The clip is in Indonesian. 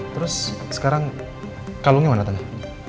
terus sekarang kalungnya mana tengah